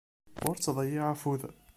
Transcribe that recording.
Ur tettḍeyyiɛ akud.